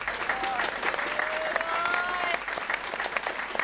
すごい！